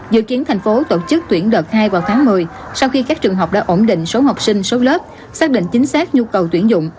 dự kiến thành phố tổ chức tuyển đợt hai vào tháng một mươi sau khi các trường học đã ổn định số học sinh số lớp xác định chính xác nhu cầu tuyển dụng